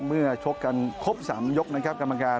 ชกกันครบ๓ยกนะครับกรรมการ